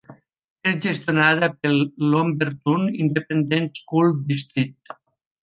És gestionada pel Lumberton Independent School District.